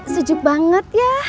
sujuk banget ya